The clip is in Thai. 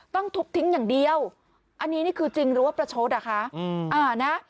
ต้องทุบทิ้งอย่างเดียวอันนี้นี่คือจริงหรือว่าประชดอ่ะคะนะ